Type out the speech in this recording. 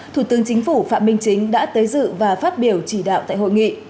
thủ tướng chính phủ phạm minh chính đã tới dự và phát biểu chỉ đạo tại hội nghị